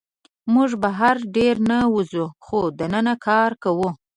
موږ بهر ډېر نه وځو، خو دننه کار کوو.